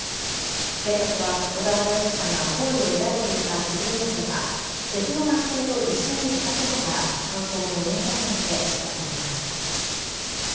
警察は小沢容疑者が好意を抱いていた知人女性が、別の男性と一緒にいたことから、犯行に及んだと見て調べています。